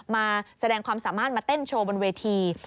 มาแสดงความสามารถมาเต้นโชว์บนเวที